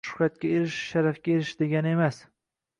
Shuhratga erishish sharafga erishish degani emas